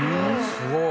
すごい。